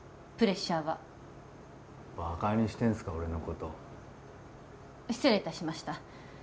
プレッシャーはバカにしてんすか俺のこと失礼いたしました